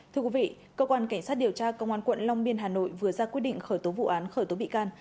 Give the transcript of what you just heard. thưa quý vị cơ quan cảnh sát điều tra công an quận long biên hà nội vừa ra quyết định khởi tố vụ án khởi tố bị can